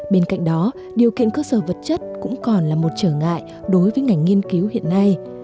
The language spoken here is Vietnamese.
bên cạnh đó điều kiện cơ sở vật chất cũng còn là một trở ngại đối với ngành nghiên cứu hiện nay